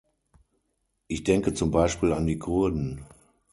Ich denke zum Beispiel an die Kurden.